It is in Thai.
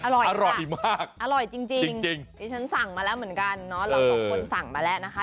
อร่อยอร่อยมากอร่อยจริงดิฉันสั่งมาแล้วเหมือนกันเนาะเราสองคนสั่งมาแล้วนะคะ